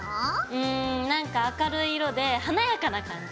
うん何か明るい色で華やかな感じ。